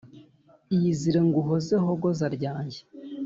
iyizire nguhoze hogoza ryanjye